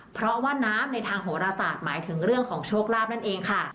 เพราะว่าน้ำในทางโหรศาสตร์หมายถึงเรื่องของโชคลาภนั่นเองค่ะ